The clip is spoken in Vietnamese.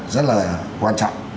rất là quan trọng